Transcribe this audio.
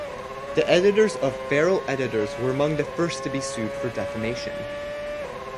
The editors of "Feral" editors were among the first to be sued for defamation.